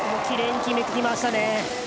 きれいに決めてきましたね。